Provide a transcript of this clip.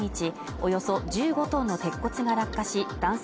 およそ１５ｔの鉄骨が落下し男性